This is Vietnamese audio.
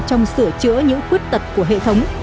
trong sửa chữa những khuất tật của hệ thống